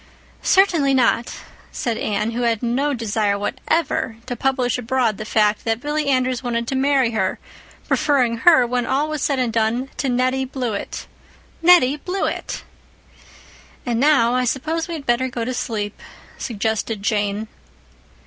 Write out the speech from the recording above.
"Certainly not," said Anne, who had no desire whatever to publish abroad the fact that Billy Andrews wanted to marry her, preferring her, when all was said and done, to Nettie Blewett. Nettie Blewett! "And now I suppose we'd better go to sleep," suggested Jane.